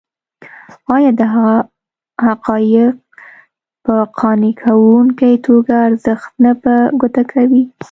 ایا دغه حقایق په قانع کوونکې توګه ارزښت نه په ګوته کوي.